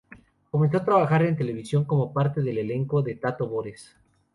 Comenzó a trabajar en televisión como parte del elenco de Tato Bores.